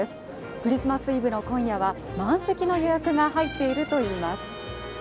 クリスマスイブの今夜は満席の予約が入っているといいます。